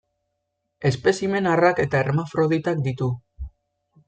Espezimen arrak eta hermafroditak ditu.